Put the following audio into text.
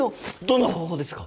どんな方法ですか？